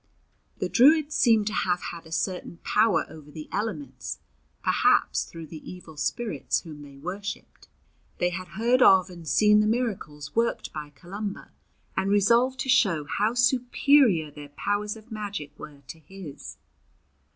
The Druids seem to have had a certain power over the elements, perhaps through the evil spirits whom they worshipped. They had heard of and seen the miracles worked by Columba, and resolved to show how superior their powers of magic were to his.